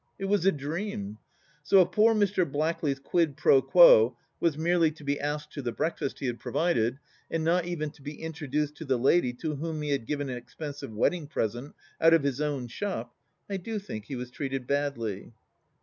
It was a dream 1 So if poor Mr. Blackley's quid pro quo was merely to be asked to the breakfast he had provided and not even be introduced to the lady to whom he had given an expensive wedding present out of his own shop, I do think he was treated badly.